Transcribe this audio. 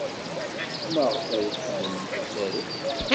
Maɣef ay tḥemmlemt asaru?